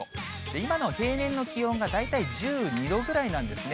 今の平年の気温が大体１２度ぐらいなんですね。